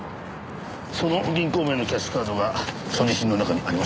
その銀行名のキャッシュカードが所持品の中にありました。